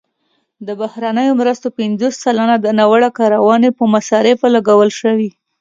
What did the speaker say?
د بهرنیو مرستو پنځوس سلنه د ناوړه کارونې په مصارفو لګول شوي.